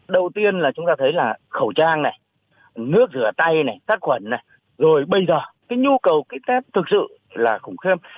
đầu tiên là chúng ta thấy là khẩu trang này nước rửa tay này sát khuẩn này rồi bây giờ cái nhu cầu kích tết thực sự là khủng khiêm